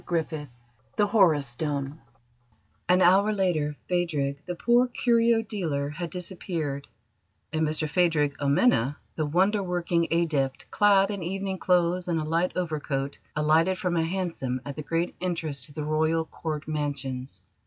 CHAPTER XIX THE HORUS STONE An hour later Phadrig, the poor curio dealer, had disappeared, and Mr Phadrig Amena, the wonder working Adept, clad in evening clothes and a light overcoat, alighted from a hansom at the great entrance to the Royal Court Mansions.